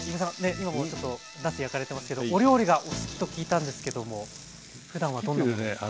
今もちょっとなす焼かれてますけどお料理がお好きと聞いたんですけどもふだんはどんな？